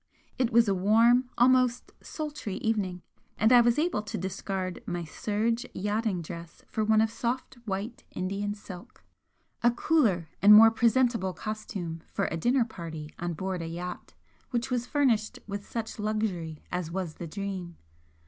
It was a warm, almost sultry evening, and I was able to discard my serge yachting dress for one of soft white Indian silk, a cooler and more presentable costume for a dinner party on board a yacht which was furnished with such luxury as was the 'Dream.'